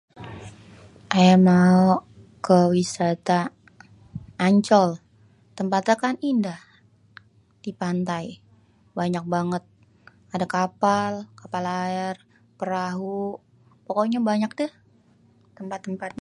ayè mao ke wisata ancol tempatnyè kan indah dipantai banyak banget, adè kapal aèr, perahu, pokoknyè banyak dèh tempat-tempat